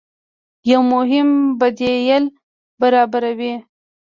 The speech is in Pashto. يو مهم بديل برابروي